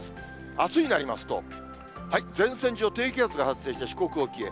あすになりますと、前線上、低気圧が発生して、四国沖へ。